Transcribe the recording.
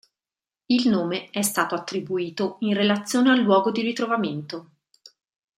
Il nome è stato attribuito in relazione al luogo di ritrovamento.